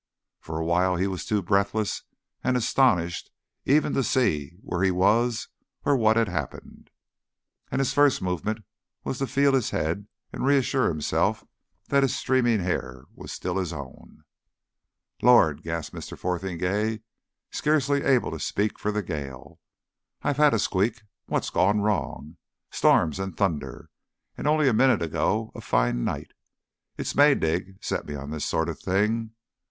For a while he was too breathless and astonished even to see where he was or what had happened. And his first movement was to feel his head and reassure himself that his streaming hair was still his own. "Lord!" gasped Mr. Fotheringay, scarce able to speak for the gale, "I've had a squeak! What's gone wrong? Storms and thunder. And only a minute ago a fine night. It's Maydig set me on to this sort of thing.